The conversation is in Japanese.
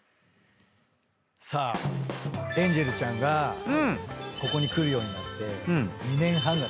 さあエンジェルちゃんがここに来るようになって２年半がたちましたよ。